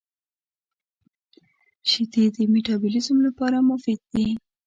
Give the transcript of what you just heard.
• شیدې د مټابولیزم لپاره مفید دي.